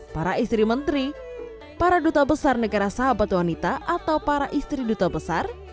para istri menteri para duta besar negara sahabat wanita atau para istri duta besar